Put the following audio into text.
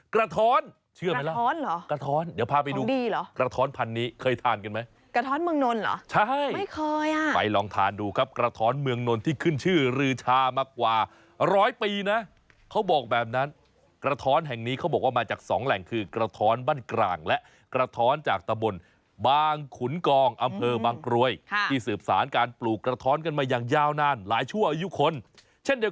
ก็ลองไปชิมกันได้นะครับร้านนี้เราไปกินมาแล้ว